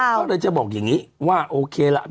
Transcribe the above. เขาเลยจะบอกอย่างงี้ว่าโอเคบ้าง